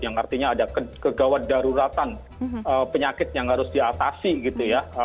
yang artinya ada kegawat daruratan penyakit yang harus diatasi gitu ya